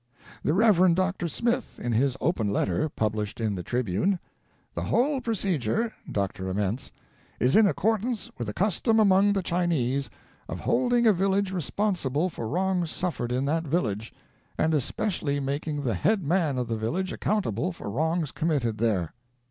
The Rev. Dr. Smith, in His Open Letter, published in the Tribune: "The whole procedure (Dr. Ament's), is in accordance with a custom among the Chinese, of holding a village responsible for wrongs suffered in that village, and especially making the head man of the village accountable for wrongs committed there."